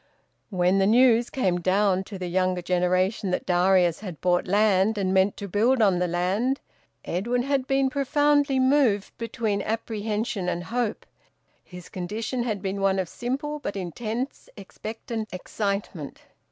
When the news came down to the younger generation that Darius had bought land and meant to build on the land, Edwin had been profoundly moved between apprehension and hope; his condition had been one of simple but intense expectant excitement.